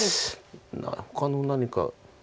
ほかの何か。